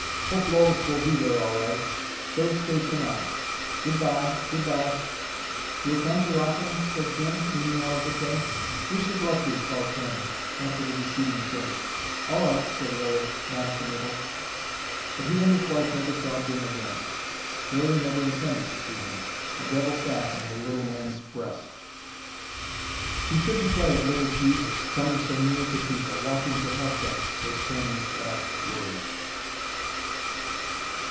"Hope Lois will be there all right. Third station on. Goodbye! Goodbye!" "You'll come to Rackham?" said Jim, leaning out of the train. "We should love to," called Tanny, after the receding train. "All right," said Lilly, non committal. But he and his wife never saw Jim again. Lilly never intended to see him: a devil sat in the little man's breast. "You shouldn't play at little Jesus, coming so near to people, wanting to help them," was Tanny's last word.